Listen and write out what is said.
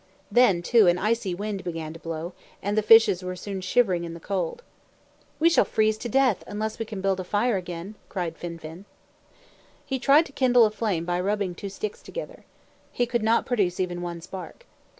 Then, too, an icy wind began to blow, and the fishes were soon shivering in the cold. "We shall freeze to death unless we can build a fire again," cried Fin fin. He tried to kindle a flame by rubbing two sticks together. He could not produce even one spark.